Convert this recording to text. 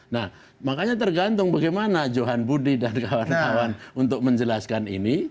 nah makanya tergantung bagaimana johan budi dan kawan kawan untuk menjelaskan ini